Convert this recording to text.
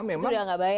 itu udah gak bayar ya